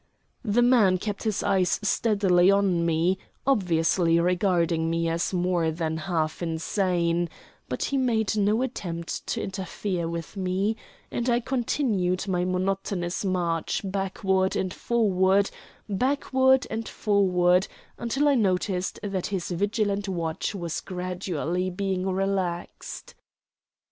The man kept his eyes steadily on me, obviously regarding me as more than half insane, but he made no attempt to interfere with me, and I continued my monotonous march backward and forward, backward and forward, until I noticed that his vigilant watch was gradually being relaxed.